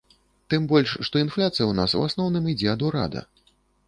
Тым больш, што інфляцыя ў нас, у асноўным, ідзе ад урада.